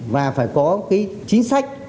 và phải có cái chính sách